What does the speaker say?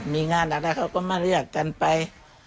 มีงานอะไรเขาก็มาเรียกกันไป